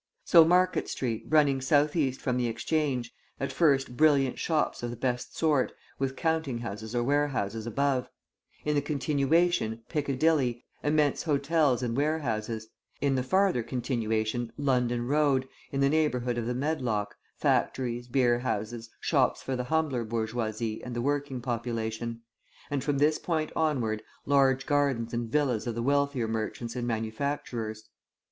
So Market Street running south east from the Exchange; at first brilliant shops of the best sort, with counting houses or warehouses above; in the continuation, Piccadilly, immense hotels and warehouses; in the farther continuation, London Road, in the neighbourhood of the Medlock, factories, beerhouses, shops for the humbler bourgeoisie and the working population; and from this point onward, large gardens and villas of the wealthier merchants and manufacturers.